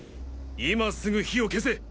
今すぐ火を消せ！